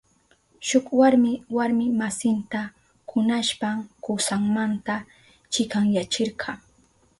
Shuk warmi warmi masinta kunashpan kusanmanta chikanyachirka.